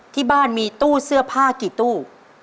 ที่บ้านมีตู้เสื้อผ้ากี่ตู้